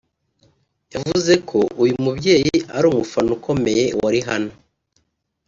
yavuze ko uyu mubyeyi ari umufana ukomeye wa Rihanna